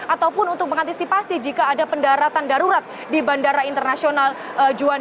ataupun untuk mengantisipasi jika ada pendaratan darurat di bandara internasional juanda surabaya di sidoarjo jawa timur